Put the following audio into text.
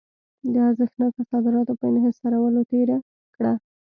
د ارزښتناکه صادراتو په انحصارولو تېره کړه.